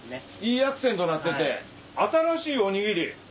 いいアクセントになってて新しいおにぎり。